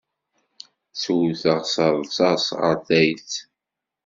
Ttewteɣ s rrṣaṣ ɣer tayet.